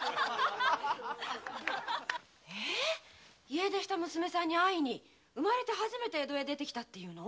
家出した娘さんに会いに初めて江戸へ出て来たっていうの？